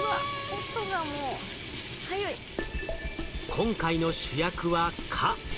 今回の主役は蚊。